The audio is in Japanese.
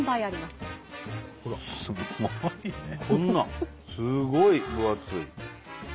すごい分厚い！